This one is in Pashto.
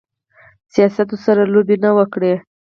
سیاست ورسره لوبې ونه کړي.